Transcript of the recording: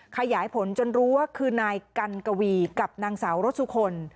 ขยายผลจนรู้ว่าคือนายกันกวีกับนางสาวรสสุคน